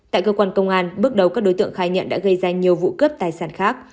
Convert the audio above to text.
tại cơ quan công an bước đầu các đối tượng khai nhận đã gây ra nhiều vụ cướp tài sản khác